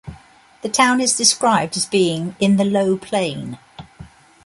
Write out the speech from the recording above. The town is described as being "in the low plain".